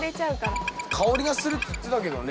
香りがするって言ってたけどね。